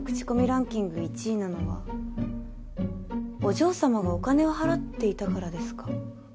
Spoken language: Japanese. ランキング１位なのはお嬢様がお金を払っていたからですか？